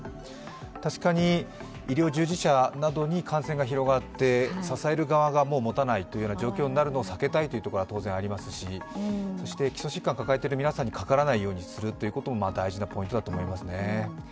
確かに、医療従事者などに感染が広がって、支える側がもうもたないという状況になるのを避けたいというのは当然ありますしそして基礎疾患を抱えている皆さんにかからないようにするのも大事なポイントだと思いますね。